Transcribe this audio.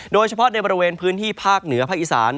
โดยเฉพาะในบริเวณพื้นที่ภาคเหนือภาคอีสาน